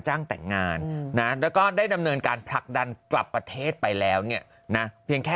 จ้างแต่งงานนะแล้วก็ได้ดำเนินการผลักดันกลับประเทศไปแล้วเนี่ยนะเพียงแค่